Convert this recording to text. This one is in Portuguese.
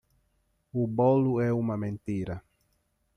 O bolo é uma mentira.